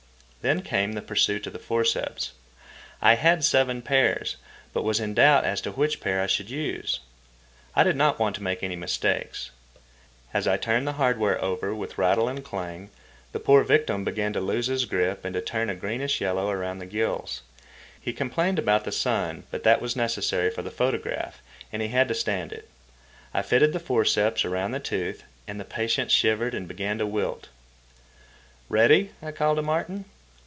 Then came the pursuit of the forceps. I had seven pairs, but was in doubt as to which pair I should use. I did not want any mistake. As I turned the hardware over with rattle and clang, the poor victim began to lose his grip and to turn a greenish yellow around the gills. He complained about the sun, but that was necessary for the photograph, and he had to stand it. I fitted the forceps around the tooth, and the patient shivered and began to wilt. "Ready?" I called to Martin.